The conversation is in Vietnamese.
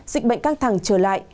dịch bệnh căng thẳng trở lại